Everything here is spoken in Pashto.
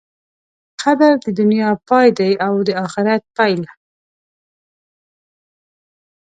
قبر د دنیا پای دی او د آخرت پیل.